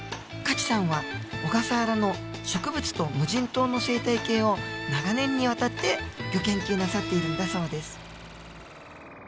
可知さんは小笠原の植物と無人島の生態系を長年にわたってギョ研究なさっているんだそうです